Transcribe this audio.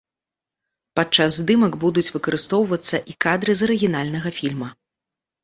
Падчас здымак будуць выкарыстоўвацца і кадры з арыгінальнага фільма.